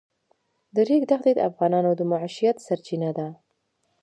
د ریګ دښتې د افغانانو د معیشت سرچینه ده.